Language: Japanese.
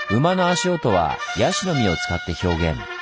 馬の足音はヤシの実を使って表現。